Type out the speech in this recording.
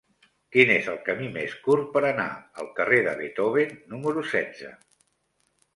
Quin és el camí més curt per anar al carrer de Beethoven número setze?